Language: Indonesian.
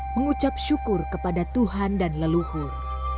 mengucap syukur kepada tuhan dan leluhur